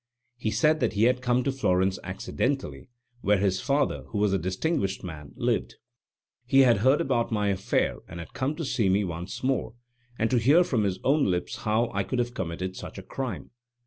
He said that he had come to Florence accidentally, where his father, who was a distinguished man, lived. He had heard about my affair, and had come to see me once more, and to hear from my own lips how I could have committed such a crime.